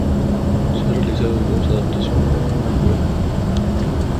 Se han realizado dos adaptaciones de la novela.